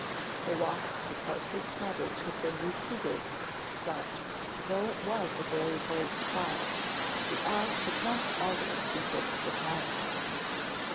The walks to Price's cottage had been repeated, but, though it was a very bright spot, the eye could not always be fixed upon it.